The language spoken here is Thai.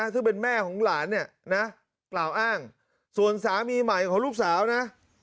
ซึ่งเป็นแม่ของหลานเนี่ยนะกล่าวอ้างส่วนสามีใหม่ของลูกสาวนะ